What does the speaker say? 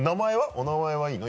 お名前はいいの？